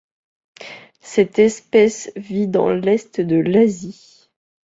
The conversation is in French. Cette espèce vit dans l'Est de l'Asie.